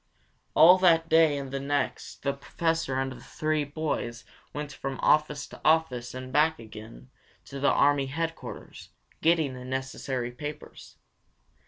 All that day and the next the Professor and the three boys went from office to office and back again to the army headquarters, getting the necessary papers.